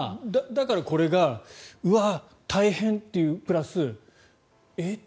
だから、これがうわあ、大変というプラスえっ？